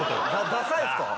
ダサいですか？